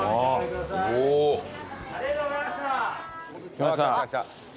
きました。